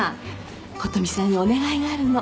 琴美さんにお願いがあるの。